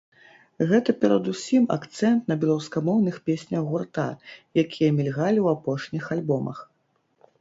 Гэта перадусім акцэнт на беларускамоўных песнях гурта, якія мільгалі ў апошніх альбомах.